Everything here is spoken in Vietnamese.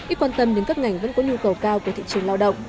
ít quan tâm đến các ngành vẫn có nhu cầu cao của thị trường lao động